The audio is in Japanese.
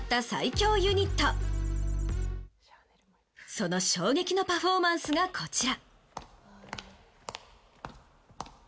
その衝撃のパフォーマンスがこちら。